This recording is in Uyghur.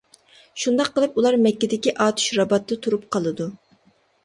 شۇنداق قىلىپ ئۇلار مەككىدىكى ئاتۇش راباتتا تۇرۇپ قالىدۇ.